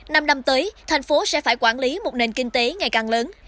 năm năm tới thành phố sẽ phải quản lý một nền kinh tế ngày càng lớn